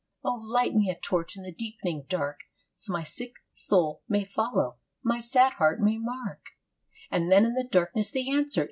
"O light me a torch in the deepening dark So my sick soul may follow, my sad heart may mark!" And then in the darkness the answer!